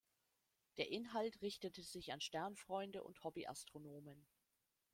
Der Inhalt richtete sich an Sternfreunde und Hobbyastronomen.